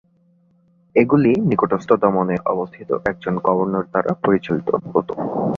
এগুলি নিকটস্থ দমনে অবস্থিত একজন গভর্নর দ্বারা পরিচালিত হতো।